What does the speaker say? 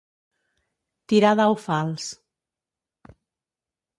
Tirar dau fals.